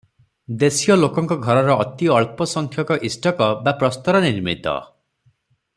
ଦେଶୀୟଲୋକଙ୍କ ଘରର ଅତିଅଳ୍ପ ସଂଖ୍ୟକ ଇଷ୍ଟକ ବା ପ୍ରସ୍ତର ନିର୍ମିତ ।